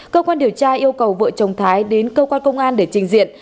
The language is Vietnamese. cơ quan điều tra yêu cầu vợ chồng thái đến cơ quan công an để trình diện